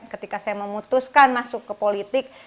ketika saya memutuskan masuk ke politik